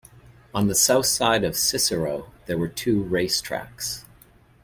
On the south side of Cicero, there were two racetracks.